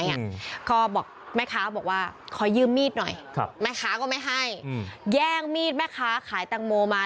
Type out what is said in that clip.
เขาบอกแม่ค้าบอกว่าขอยืมมีดหน่อยครับแม่ค้าก็ไม่ให้อืมแย่งมีดแม่ค้าขายแตงโมมา